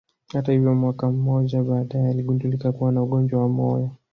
Hata hivyo mwaka mmoja baadaye aligundulika kuwa na ugonjwa wa moyo